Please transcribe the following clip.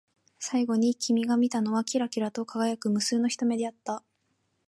最後に君が見たのは、きらきらと輝く無数の瞳であった。